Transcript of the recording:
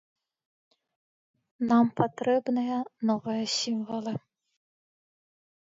Нам патрэбныя новыя сімвалы.